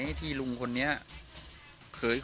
วันนี้ก็จะเป็นสวัสดีครับ